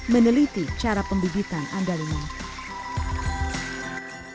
meneliti cara pembibitan andaliman